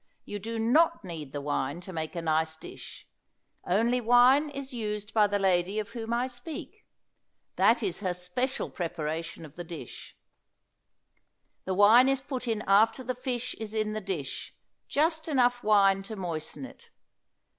You do not need the wine to make a nice dish, only wine is used by the lady of whom I speak. That is her special preparation of the dish. The wine is put in after the fish is in the dish, just enough wine to moisten it.